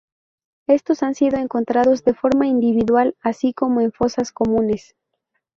Estos han sido encontrados de forma individual, así como en fosas comunes.